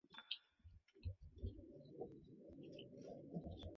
佛理碘泡虫为碘泡科碘泡虫属的动物。